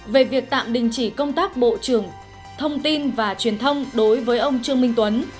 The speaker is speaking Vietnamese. về việc tạm đình chỉ công tác bộ trưởng thông tin và truyền thông đối với ông trương minh tuấn